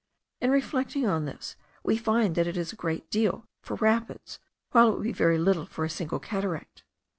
In reflecting on this, we find that it is a great deal for rapids, while it would be very little for a single cataract.